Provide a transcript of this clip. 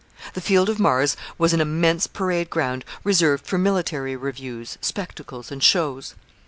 The Field of Mars was an immense parade ground, reserved for military reviews, spectacles, and shows.